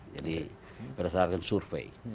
jadi berdasarkan survei